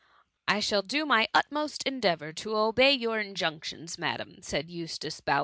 *"^^ I shall do my utmost endeavour to obey your injunctions, Madam/' said Eustace, bow THE MUMMY.